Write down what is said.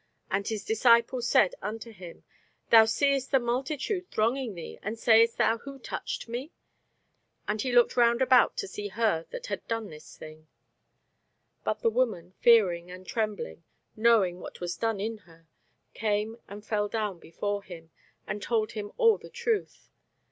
And his disciples said unto him, Thou seest the multitude thronging thee, and sayest thou, Who touched me? And he looked round about to see her that had done this thing. [Sidenote: St. Mark 5] But the woman fearing and trembling, knowing what was done in her, came and fell down before him, and told him all the truth.